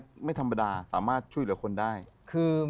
สวัสดีพี่ตูนครับ